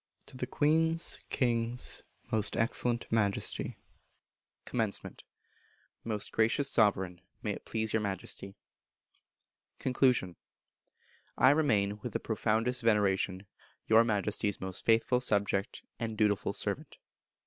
To the Queen's (King's) Most Excellent Majesty. Commencement. Most Gracious Sovereign; May it please your Majesty. Conclusion. I remain, with the profoundest veneration, Your Majesty's most faithful subject and dutiful servant.